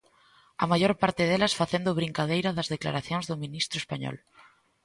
A maior parte delas facendo brincadeira das declaracións do ministro español.